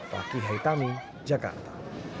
fakih haitami jakarta